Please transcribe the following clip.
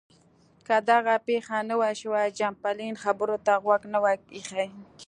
که دغه پېښه نه وای شوې چمبرلاین خبرو ته غوږ نه وای ایښی.